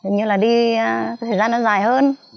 như là đi thời gian nó dài hơn